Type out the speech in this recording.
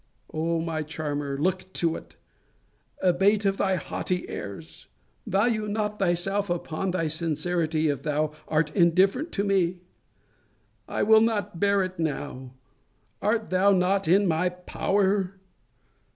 O my charmer, look to it! Abate of thy haughty airs! Value not thyself upon thy sincerity, if thou art indifferent to me! I will not bear it now. Art thou not in my POWER!